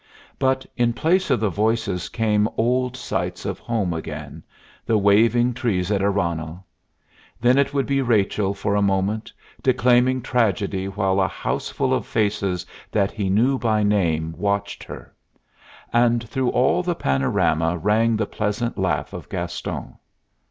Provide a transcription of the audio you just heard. But in place of the voices came old sights of home again, the waving trees at Aranhal; then it would be Rachel for a moment, declaiming tragedy while a houseful of faces that he knew by name watched her; and through all the panorama rang the pleasant laugh of Gaston.